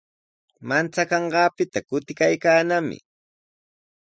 Manchakanqaapita kutikaykaanami.